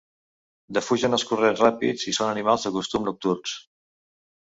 Defugen els corrents ràpids i són animals de costums nocturns.